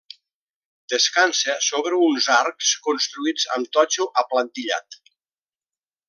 Descansa sobre uns arcs construïts amb totxo aplantillat.